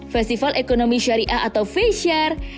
festival ekonomi syariah atau fesyar